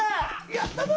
「やったぞ！